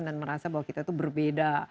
dan merasa bahwa kita itu berbeda